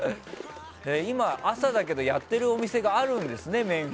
今、朝だけどやってるお店があるんですね。